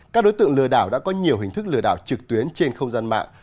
các đối tượng lừa đảo đã có nhiều hình thức lừa đảo trực tuyến trên không gian mạng